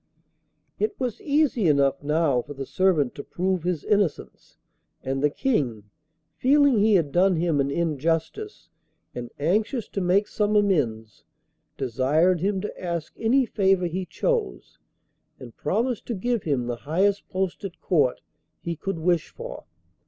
It was easy enough now for the servant to prove his innocence, and the King, feeling he had done him an injustice, and anxious to make some amends, desired him to ask any favour he chose, and promised to give him the highest post at Court he could wish for.